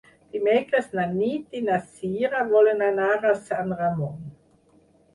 Dimecres na Nit i na Cira volen anar a Sant Ramon.